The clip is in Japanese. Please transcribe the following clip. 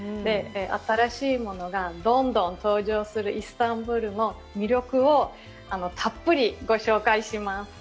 新しいものがどんどん登場するイスタンブールの魅力をたっぷりご紹介します。